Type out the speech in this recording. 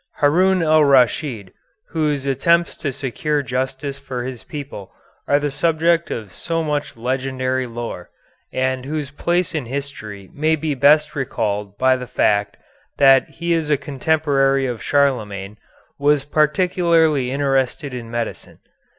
Haroun al Raschid, whose attempts to secure justice for his people are the subject of so much legendary lore, and whose place in history may be best recalled by the fact that he is a contemporary of Charlemagne, was particularly interested in medicine.